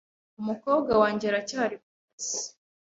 Umukobwa wanjye aracyari kukazi